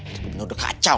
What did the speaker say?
ini bener bener udah kacau